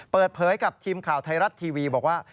เปิดเผยกับทีมข่าวไทยรัฐทีวีบอกว่า